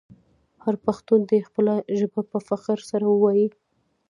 هر پښتون دې خپله ژبه په فخر سره وویې.